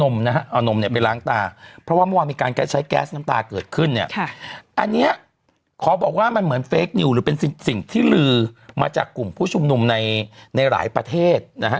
เมื่อวานมีการใช้แก๊สน้ำตาเกิดขึ้นเนี่ยอันเนี้ยขอบอกว่ามันเหมือนเฟคนิวหรือเป็นสิ่งที่ลือมาจากกลุ่มผู้ชุมนุมในในหลายประเทศนะฮะ